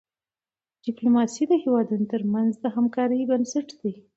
ډيپلوماسي د هېوادونو ترمنځ د همکاری بنسټ دی.